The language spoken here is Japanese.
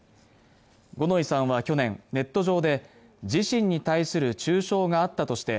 五ノ井さんは去年、ネット上で自身に対する中傷があったとして